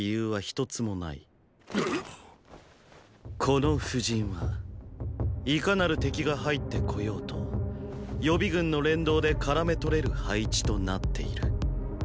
この布陣はいかなる敵が入って来ようと予備軍の“連動”でからめ捕れる配置となっている。